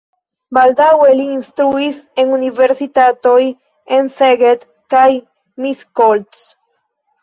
Baldaŭe li instruis en universitatoj en Szeged kaj Miskolc.